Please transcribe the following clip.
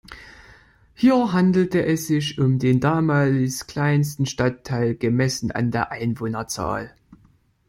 Hier handelte es sich um den damals kleinsten Stadtteil gemessen an der Einwohnerzahl.